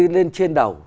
lên trên đầu